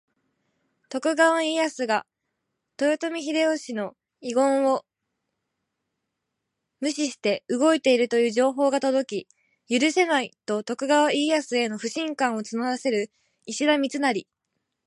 徳川家康が豊臣秀吉の遺言を無視して動いているという情報が届き、「許せない！」と徳川家康への不信感を募らせる石田三成。